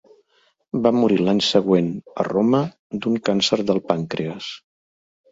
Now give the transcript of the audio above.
Va morir l'any següent, a Roma, d'un càncer del pàncrees.